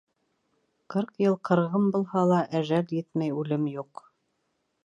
Ҡырҡ йыл ҡырғын булһа ла, әжәл етмәй үлем юҡ.